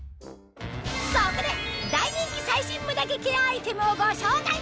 そこで大人気最新ムダ毛ケアアイテムをご紹介